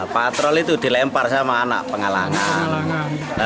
patrol itu dilempar sama anak pengalangan